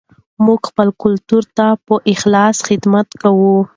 موږ به خپل کلتور ته په اخلاص خدمت کوو.